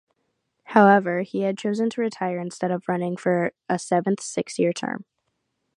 However, he had chosen to retire instead of running for a seventh six-year term.